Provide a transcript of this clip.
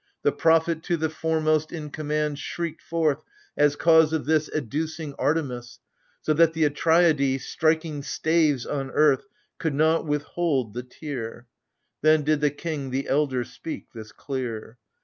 The prophet to the foremost in command Shrieked forth, as cause of this Adducing Artemis, So that the Atreidai striking staves on earth Could not withhold the tear) — Then did the king, the elder, speak this clear.